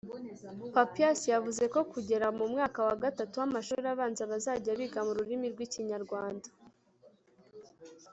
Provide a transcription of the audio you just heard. Papias yavuze ko kugera mu mwaka wa gatatu w’amashuri abanza bazajya biga mu rurimi rw’Ikinyarwanda